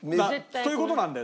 そういう事なんだよ。